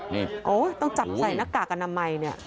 โหวต้องจับใส่นักกากกนามใหม่เนี่ย